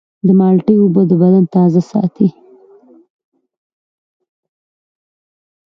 د مالټې اوبه د بدن تازه ساتي.